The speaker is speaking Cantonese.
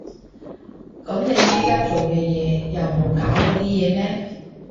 噉你而家做嘅嘢又冇搞禍啲嘢咩？